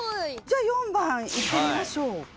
じゃあ４番いってみましょう。